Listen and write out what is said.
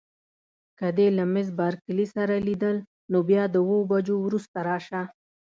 که دې له میس بارکلي سره لیدل نو بیا د اوو بجو وروسته راشه.